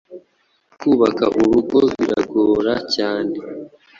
kubaka urugo birabagora cyane